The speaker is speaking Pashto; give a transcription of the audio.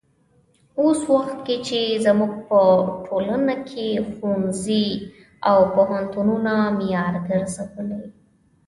اوس وخت کې چې زموږ په ټولنه کې ښوونځي او پوهنتونونه معیار ګرځولي.